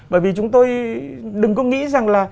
bởi vì chúng tôi đừng có nghĩ rằng